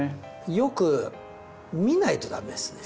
よく見ないと駄目ですね。